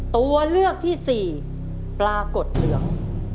ตัวเลือกที่สี่ปลากดเหลือง